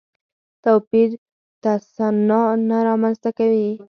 توپیر تصنع نه رامنځته کوي.